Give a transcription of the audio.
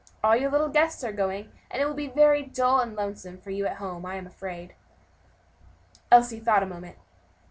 All your little guests are going, and it would be dull and lonesome for you at home, I am afraid." Elsie thought a moment.